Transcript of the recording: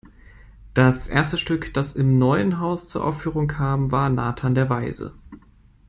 Das erste Stück, das im neuen Haus zur Aufführung kam, war Nathan der Weise.